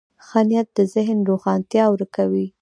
ښه نیت د ذهن روښانتیا ورکوي.